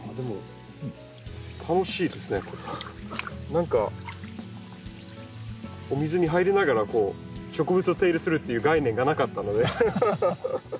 何かお水に入りながら植物を手入れするっていう概念がなかったので。